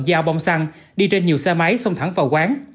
dao bông xăng đi trên nhiều xe máy xông thẳng vào quán